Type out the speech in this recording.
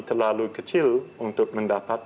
terlalu kecil untuk mendapatkan